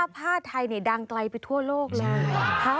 ผ้าไทยดังไกลไปทั่วโลกเลย